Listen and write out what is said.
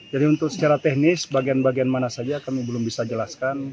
jadi untuk secara teknis bagian bagian mana saja kami belum bisa jelaskan